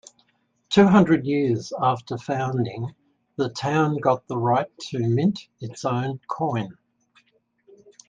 Two hundred years after founding, the town got the right to mint its own coin.